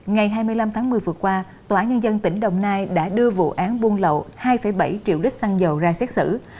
ngày hai mươi năm tháng một mươi vừa qua tòa nhân dân tỉnh đồng nai đã đưa vụ án buôn lậu hai bảy triệu lít xăng dầu ra xét xử